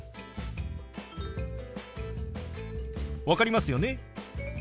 分かりますよね？